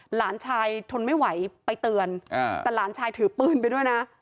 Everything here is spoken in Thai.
หลานชายทนไม่ไหวไปเตือนแต่หลานชายถือปืนไปด้วยนะ